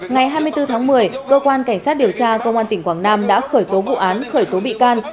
ngày hai mươi bốn tháng một mươi cơ quan cảnh sát điều tra công an tỉnh quảng nam đã khởi tố vụ án khởi tố bị can